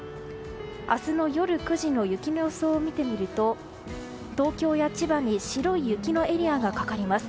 明日の夜９時の雪の予想を見てみると東京や千葉に白い雪のエリアがかかります。